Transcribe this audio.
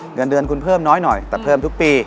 เงินเดือนคุณเพิ่มน้อยหน่อยแต่เพิ่มทุกปี